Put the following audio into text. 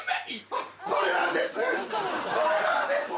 これなんですね？